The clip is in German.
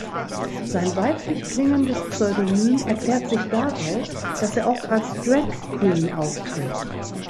Sein weiblich klingendes Pseudonym erklärt sich daraus, dass er oft als Drag Queen auftritt.